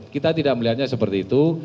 kita tidak melihatnya seperti itu